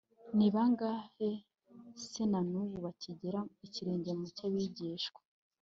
ni bangahe se na n’ubu bakigera ikirenge mu cy’aba bigishwa!